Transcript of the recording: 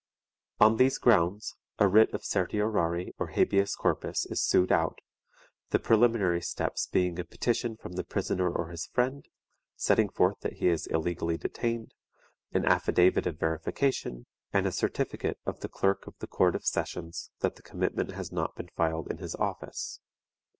On these grounds a writ of certiorari or habeas corpus is sued out, the preliminary steps being a petition from the prisoner or his friend, setting forth that he is illegally detained, an affidavit of verification, and a certificate of the clerk of the Court of Sessions that the commitment has not been filed in his office.